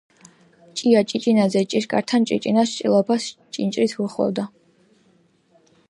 ჭია ჭიჭინაძე ჭიშკართან ჭრიჭინას ჭრილობას ჭინჭრით უხვევდა